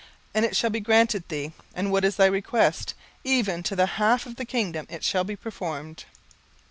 and it shall be granted thee: and what is thy request? even to the half of the kingdom it shall be performed.